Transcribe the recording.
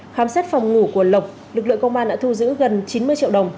khám xét phòng ngủ của lộc lực lượng công an đã thu giữ gần chín mươi triệu đồng